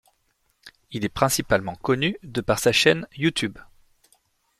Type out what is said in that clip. Il est principalement connu de par sa chaîne YouTube.